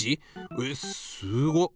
えすごっ！